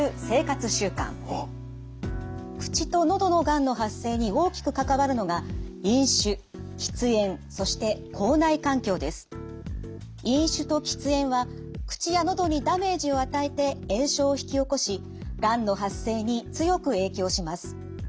口と喉のがんの発生に大きく関わるのが飲酒と喫煙は口や喉にダメージを与えて炎症を引き起こしがんの発生に強く影響します。